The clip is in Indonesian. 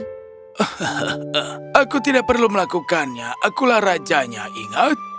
hahaha aku tidak perlu melakukannya akulah rajanya ingat